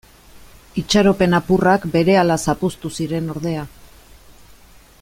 Itxaropen apurrak berehala zapuztu ziren ordea.